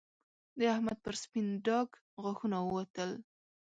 د احمد پر سپين ډاګ غاښونه ووتل